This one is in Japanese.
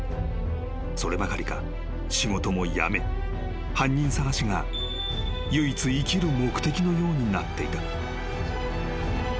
そればかりか仕事も辞め犯人捜しが唯一生きる目的のようになっていた］